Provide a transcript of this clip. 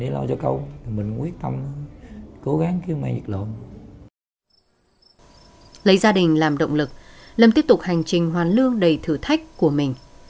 lấy gia đình làm động lực lâm tiếp tục hành trình hoàn lương đầy thử thách của mình